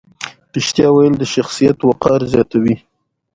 رښتیا ویل د شخصیت وقار زیاتوي.